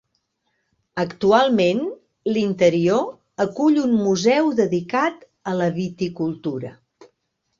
Actualment, l'interior acull un museu dedicat a la viticultura.